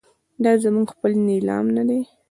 دا زموږ خپل نیلام نه دی.